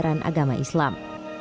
pelajaran agama islam